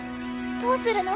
どうするの？